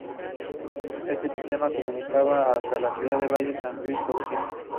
Este sistema comunicaba hasta Ciudad Valles, San Luis Potosí.